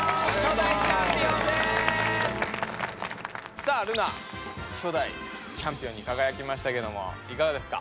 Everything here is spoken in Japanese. さあルナ初代チャンピオンにかがやきましたけどもいかがですか？